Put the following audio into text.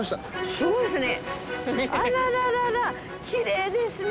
すごいですね。